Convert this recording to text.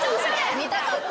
見たかった。